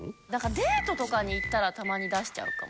デートとかに行ったらたまに出しちゃうかも。